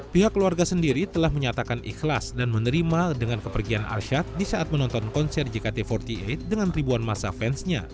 pihak keluarga sendiri telah menyatakan ikhlas dan menerima dengan kepergian arsyad di saat menonton konser jkt empat puluh delapan dengan ribuan masa fansnya